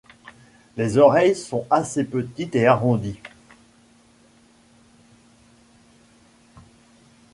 Les oreilles sont assez petites et arrondies.